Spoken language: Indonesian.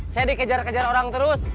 saya dikejar kejar orang terus